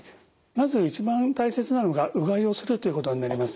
まず一番大切なのがうがいをするということになります。